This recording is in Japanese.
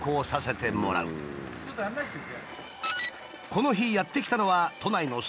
この日やって来たのは何だろう？